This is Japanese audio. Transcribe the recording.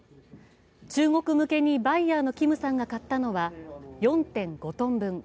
中国向けにバイヤーの金さんが買ったのは４．５ｔ分。